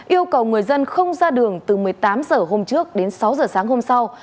yêu cầu người dân không ra đường từ một mươi tám h hôm trước đến sáu h sáng hôm sau